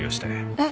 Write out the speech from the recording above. えっ？